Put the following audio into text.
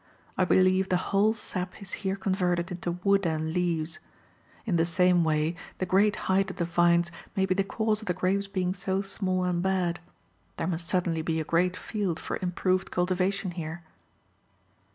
I believe the whole sap is here converted into wood and leaves. In the same way, the great height of the vines may be the cause of the grapes being so small and bad. There must certainly be a great field for improved cultivation here.